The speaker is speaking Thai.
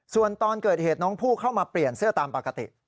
ส่วนตอนเกิดเหตุน้องผู้เข้ามาเปลี่ยนเสื้อตามปกติ